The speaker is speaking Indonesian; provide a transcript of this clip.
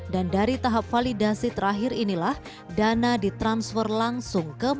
dan dari tahap validasi terakhir inilah dana ditransfer langsung ke bpjs ketenagakerjaan